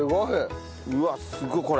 うわっすごいこれ。